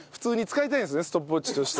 ストップウォッチとして。